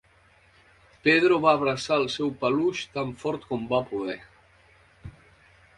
Pedro va abraçar el seu peluix tan fort com va poder.